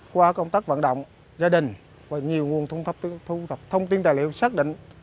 qua công tác vận động gia đình và nhiều nguồn thông tin tài liệu xác định